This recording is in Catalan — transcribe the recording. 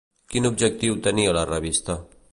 Quin objectiu tenia la revista?